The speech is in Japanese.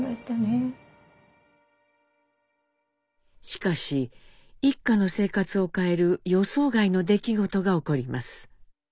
しかし一家の生活を変える予想外の出来事が起こります。